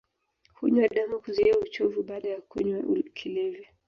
Hunywa damu kuzuia uchovu baada ya kunywa kilevi